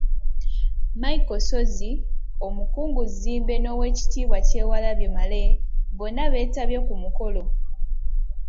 Michael Ssozi, Omukungu Zzimbe n’Oweekitiibwa Kyewalabye Male bonna beetabye ku mukolo.